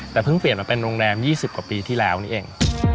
แต่เพิ่งเปลี่ยนมาเป็นโรงแรม๒๐กว่าปีที่แล้วนี่เอง